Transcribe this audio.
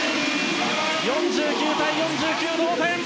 ４９対４９、同点！